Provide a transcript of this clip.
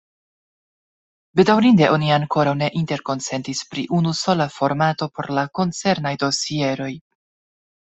Bedaŭrinde oni ankoraŭ ne interkonsentis pri unusola formato por la koncernaj dosieroj.